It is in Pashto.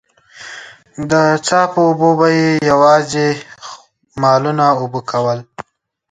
د څاه په اوبو به يې يواځې مالونه اوبه کول.